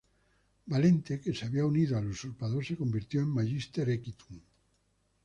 Valente, que se había unido al usurpador, se convirtió en "Magister equitum".